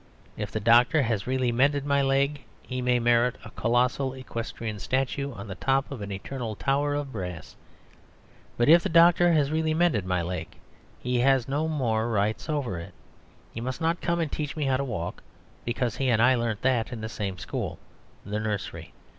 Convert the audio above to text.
If the doctor has really mended my leg, he may merit a colossal equestrian statue on the top of an eternal tower of brass. But if the doctor has really mended my leg he has no more rights over it. He must not come and teach me how to walk; because he and I learnt that in the same school, the nursery.